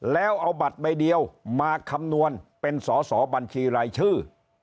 แล้วเอาบัตรใบเดียวมาคำนวณเป็นสอสอบัญชีรายชื่อ